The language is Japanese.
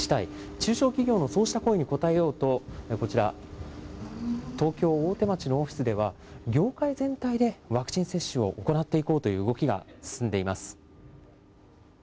中小企業のそうした声に応えようと、こちら、東京・大手町のオフィスでは、業界全体でワクチン接種を行っていこうという動きが進んでいます。